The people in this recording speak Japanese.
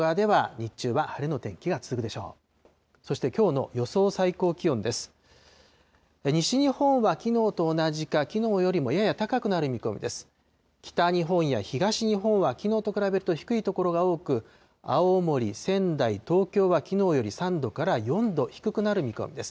北日本や東日本はきのうと比べると低い所が多く、青森、仙台、東京はきのうより３度から４度低くなる見込みです。